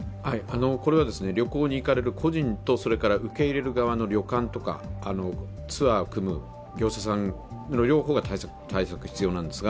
これは旅行に行かれる個人と受け入れる側の旅館とかツアーを組む業者さんの両方が゛必要なんですが